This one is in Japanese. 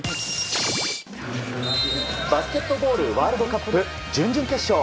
バスケットボールワールドカップ準々決勝。